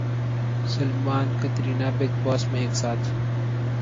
Salman Katrina big باس میں ایک ساتھ